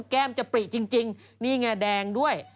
แก้มจะปริจริงนี่ไงแดงด้วย